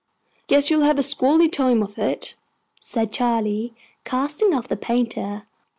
"Guess you'll have a squally time of it," said Charley, casting off the painter.